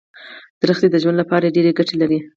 ونې د ژوند لپاره ډېرې ګټې لري.